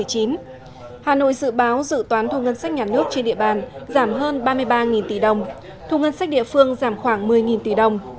hà nội dự báo dự toán thu ngân sách nhà nước trên địa bàn giảm hơn ba mươi ba tỷ đồng thu ngân sách địa phương giảm khoảng một mươi tỷ đồng